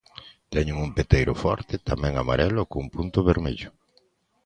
Teñen un peteiro forte tamén amarelo cun punto vermello.